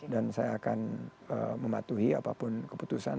dan saya akan mematuhi apapun keputusan